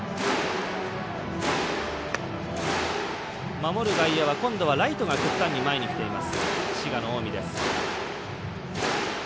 守る外野は今度はライトが極端に前に来ています。